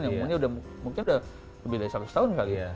yang mungkin sudah lebih dari seratus tahun kali